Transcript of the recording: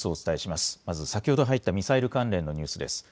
まず先ほど入ったミサイル関連のニュースです。